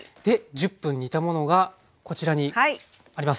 １０分煮たものがこちらにあります。